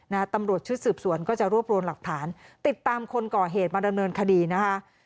ตำรวจชุดสืบสวนก็จะรวบรวมหลักฐานติดตามคนก่อเหตุมาดำเนินคดีนะคะ